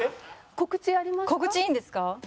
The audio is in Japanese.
告知いいんですか？